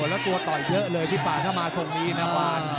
แล้วตัวต่อยเยอะเลยพี่ป่าถ้ามาทรงนี้นะวาน